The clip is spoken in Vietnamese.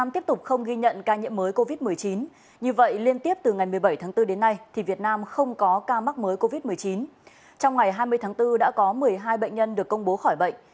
trong ngày một mươi tháng bốn đã có một mươi hai bệnh nhân được công bố khỏi bệnh